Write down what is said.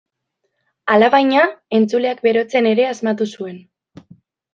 Alabaina, entzuleak berotzen ere asmatu zuen.